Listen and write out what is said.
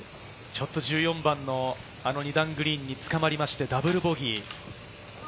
１４番の２段グリーンにつかまってダブルボギー。